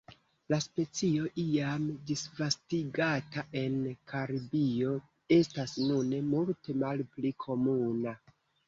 La specio, iam disvastigata en Karibio, estas nune multe malpli komuna.